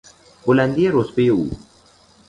بلندی رتبه او